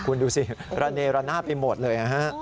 คุณดูสิระเนรนาไปหมดเลย